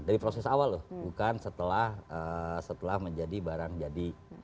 dari proses awal loh bukan setelah menjadi barang jadi